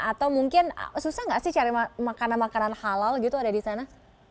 atau mungkin susah nggak sih cari makanan makanan halal gitu ada di sana